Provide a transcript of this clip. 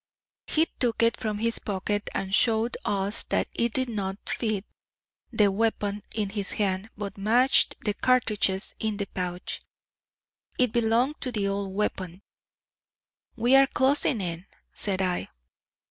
He took it from his pocket and showed us that it did not fit the weapon in his hand but matched the cartridges in the pouch. It belonged to the old weapon. "We are closing in," said I.